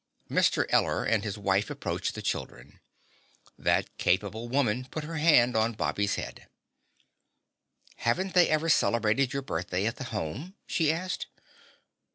Mr. Eller and his wife approached the children. That capable woman put her hand on Bobby's head. "Haven't they ever celebrated your birthday at the Home?" she asked.